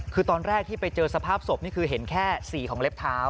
คือตอนแรกที่ไปเจอสภาพศพนี่คือเห็นแค่สีของเล็บเท้า